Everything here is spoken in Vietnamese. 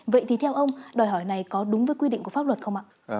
vậy thì theo ông đòi hỏi này có đúng với quy định của pháp luật không ạ